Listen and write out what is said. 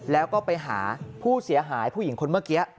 แล้วก็ไปหาผู้เสียหายผู้หญิงคนเมื่อกี้